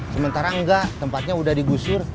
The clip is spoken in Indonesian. sementara enggak tempatnya udah digusur